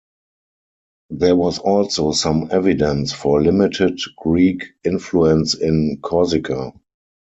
There was also some evidence for limited Greek influence in Corsica.